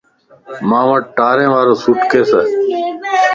مان وٽ ٽائرين وارو سوٽ ڪيس